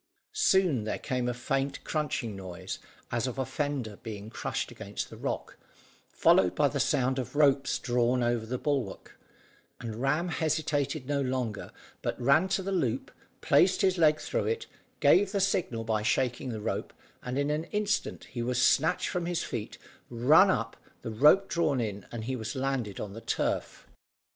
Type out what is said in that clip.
Soon there came a faint crunching noise as of a fender being crushed against the rock, followed by the sound of ropes drawn over the bulwark, and Ram hesitated no longer, but ran to the loop, placed his leg through it, gave the signal by shaking the rope, and in an instant he was snatched from his feet, run up, the rope drawn in, and he was landed on the turf.